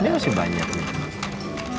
ini masih banyak nih